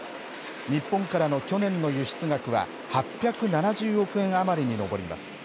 日本からの去年の輸出額は８７０億円余りに上ります。